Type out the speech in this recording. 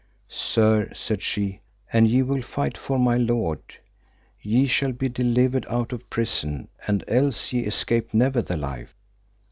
Sir, said she, an ye will fight for my lord, ye shall be delivered out of prison, and else ye escape never the life.